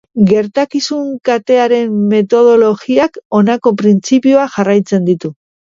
Gertakizun katearen metodologiak honako printzipioak jarraitzen ditu.